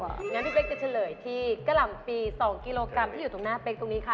งั้นพี่เป๊กจะเฉลยที่กะหล่ำปี๒กิโลกรัมที่อยู่ตรงหน้าเป๊กตรงนี้ค่ะ